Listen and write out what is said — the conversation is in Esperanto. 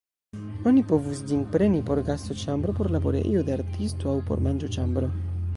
Oni povus ĝin preni por gastoĉambro, por laborejo de artisto aŭ por manĝoĉambro.